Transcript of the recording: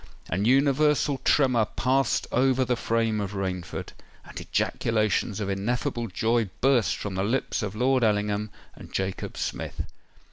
An universal tremor passed over the frame of Rainford; and ejaculations of ineffable joy burst from the lips of Lord Ellingham and Jacob Smith.